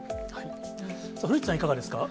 古市さん、いかがですか？